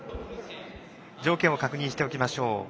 条件を確認しておきましょう。